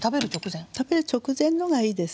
食べる直前のがいいですね。